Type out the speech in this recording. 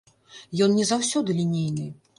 Ён не заўсёды лінейны.